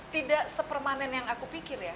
tidak se permanen yang aku pikir ya